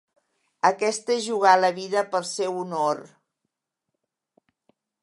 Aquesta es jugar la vida pel seu honor.